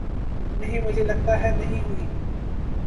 نہیں مجھےلگتا ہے نہیں ہوئی